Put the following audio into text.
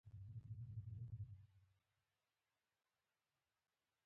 ناپوهتیا بده ده.